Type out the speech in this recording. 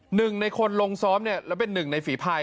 หนึ่งในคนลงซ้อมแล้วเป็นหนึ่งในฝีภาย